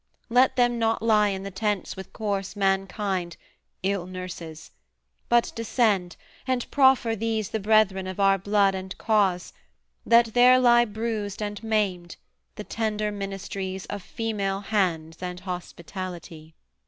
Let them not lie in the tents with coarse mankind, Ill nurses; but descend, and proffer these The brethren of our blood and cause, that there Lie bruised and maimed, the tender ministries Of female hands and hospitality.'